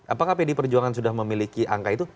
apakah pdi perjuangan sudah memiliki angka itu